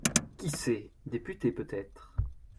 Qui sait ?… député, peut-être.